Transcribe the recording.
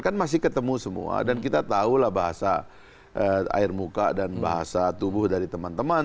kan masih ketemu semua dan kita tahulah bahasa air muka dan bahasa tubuh dari teman teman